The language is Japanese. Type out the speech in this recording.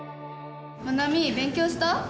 まなみ勉強した？